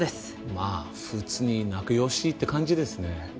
まあ普通に仲良しって感じですね。